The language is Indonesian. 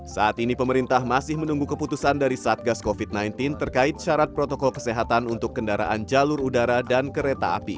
saat ini pemerintah masih menunggu keputusan dari satgas covid sembilan belas terkait syarat protokol kesehatan untuk kendaraan jalur udara dan kereta api